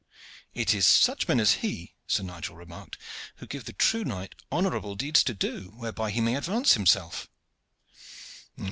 "It is such men as he," Sir Nigel remarked, "who give the true knight honorable deeds to do, whereby he may advance himself."